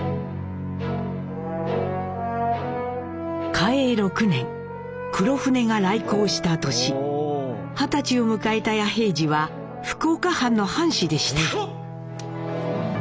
嘉永６年黒船が来航した年二十歳を迎えた弥平次は福岡藩の藩士でした。